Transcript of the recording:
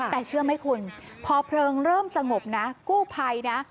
แต่เชื่อไหมคุณพอเพลิงเริ่มสงบนะกู้ภัยนะ